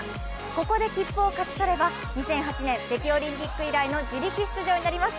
ここで切符を勝ち取れば２００８年北京オリンピック以来の自力出場となります。